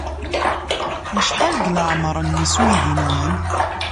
Acḥal deg leɛmeṛ-nnes uydi-nwen?